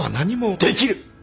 できる！